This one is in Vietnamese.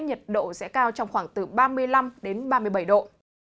nhiệt độ sẽ cao trong khoảng từ ba mươi năm đến ba mươi bảy độ